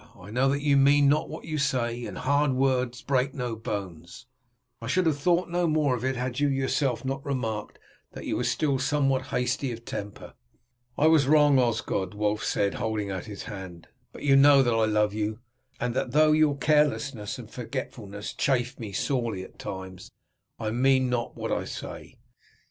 I know that you mean not what you say, and hard words break no bones. I should have thought no more of it had you yourself not remarked that you were still somewhat hasty of temper." "I was wrong, Osgod," Wulf said, holding out his hand, "but you know that I love you, and that though your carelessness and forgetfulness chafe me sorely at times, I mean not what I say."